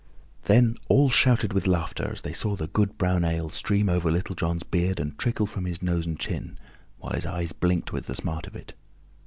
Then all shouted with laughter as they saw the good brown ale stream over Little John's beard and trickle from his nose and chin, while his eyes blinked with the smart of it.